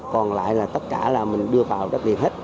còn lại là tất cả là mình đưa vào đất liền hết